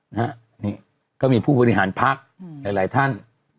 นะฮะนี่ก็มีผู้บริหารพักหลายท่าน